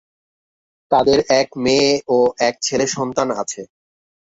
তাদের এক মেয়ে ও এক ছেলে সন্তান আছে।